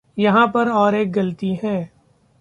यहाँ पर और एक ग़लती है।